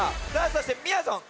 そしてみやぞん